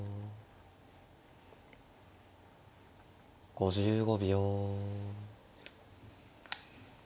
５５秒。